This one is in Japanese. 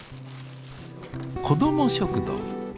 「子ども食堂」。